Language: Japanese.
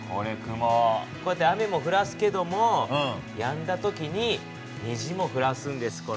こうやって雨もふらすけどもやんだ時ににじもふらすんですこの雲は。